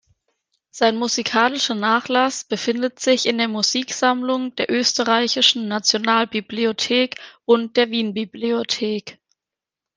Sein musikalischer Nachlass befindet sich in der Musiksammlung der Österreichischen Nationalbibliothek und der Wienbibliothek.